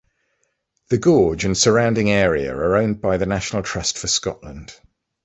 The gorge and surrounding area are owned by the National Trust for Scotland.